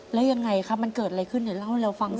แล้วยังไงครับมันเกิดอะไรขึ้นเดี๋ยวเล่าให้เราฟังหน่อย